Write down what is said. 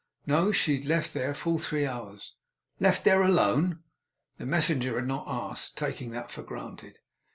No. She had left there, full three hours. 'Left there! Alone?' The messenger had not asked; taking that for granted.